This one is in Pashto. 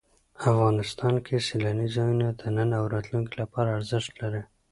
افغانستان کې سیلانی ځایونه د نن او راتلونکي لپاره ارزښت لري.